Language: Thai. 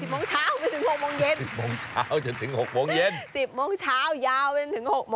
๑๐โมงเช้าไปจนถึง๖โมงเย็น๑๐โมงเช้าย่าวไปถึง๖โมงเย็น